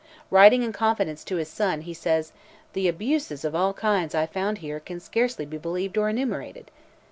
Writing in confidence to his son, he says, "The abuses of all kinds I found here can scarcely be believed or enumerated."